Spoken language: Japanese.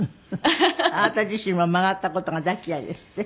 あなた自身は曲がった事が大っ嫌いですって？